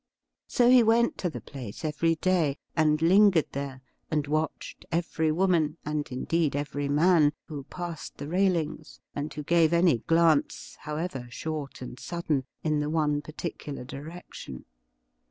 So he went to the place every day, and lingered there and watched every woman, and, indeed, every man, who passed the railings, and who gave any glance, however short and sudden, in the one particular direction.